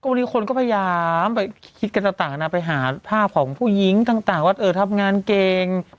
วันนี้คนก็พยายามไปคิดกันต่างไปหาภาพของผู้หญิงต่างว่าเออทำงานเก่ง